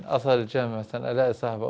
asal jami misalnya alaik sahabat